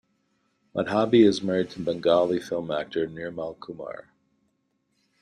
Madhabi is married to Bengali film actor Nirmal Kumar.